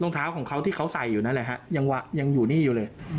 เท้าของเขาที่เขาใส่อยู่นั่นแหละฮะยังอยู่นี่อยู่เลย